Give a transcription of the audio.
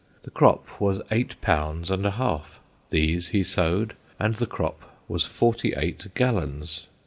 The crop was eight pounds and a half. These he sowed, and the crop was forty eight gallons.